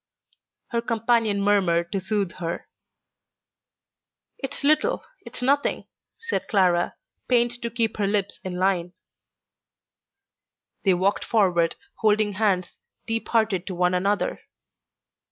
Her companion murmured to soothe her. "It's little, it's nothing," said Clara, pained to keep her lips in line. They walked forward, holding hands, deep hearted to one another.